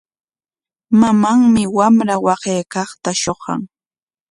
Mamanmi wamra waqaykaqta shuqan.